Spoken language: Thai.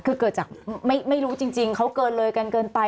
คือเกิดจากไม่รู้จริงเขาเกินเลยกันเกินไป